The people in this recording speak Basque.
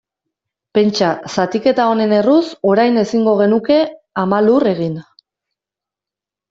Pentsa, zatiketa honen erruz, orain ezingo genuke Ama Lur egin.